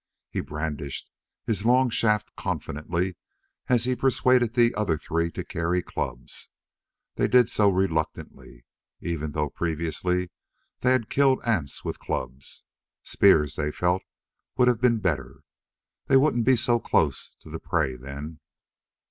He brandished his long shaft confidently as he persuaded the other three to carry clubs. They did so reluctantly, even though previously they had killed ants with clubs. Spears, they felt, would have been better. They wouldn't be so close to the prey then.